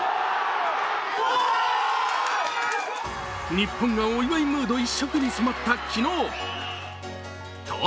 日本がお祝いムード一色に染まった昨日。